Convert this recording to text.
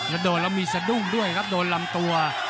แล้วโดนแล้วมีสะดุ้งด้วยครับโดนลำตัว